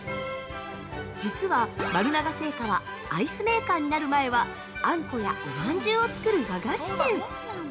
実は、丸永製菓はアイスメーカーになる前はあんこやおまんじゅうを作る和菓子店。